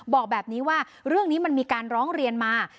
บอกแบบนี้ว่าเรื่องนี้มันมีการร้องเรียนมา